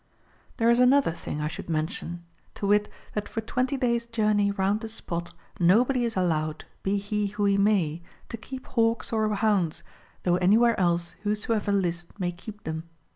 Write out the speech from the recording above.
There is another thing I should mention ; to wit, that for 20 days' journey round the spot nobody is allowed, be he who he may, to keep hawks or hounds, though anywhere else whosoever list may keep them.